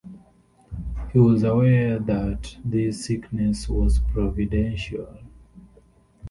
He was aware that this sickness was providential.